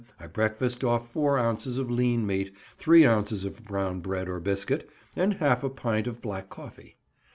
—I breakfast off four ounces of lean meat, three ounces of brown bread or biscuit, and half a pint of black coffee.